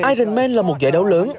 ironman là một giải đấu lớn